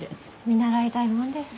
見習いたいもんです。